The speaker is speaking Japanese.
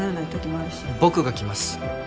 僕が来ます。